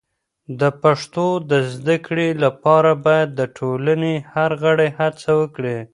د پښتو د زده کړې لپاره باید د ټولنې هر غړی هڅه وکړي.